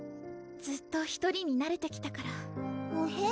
ずっと１人になれてきたからほへ？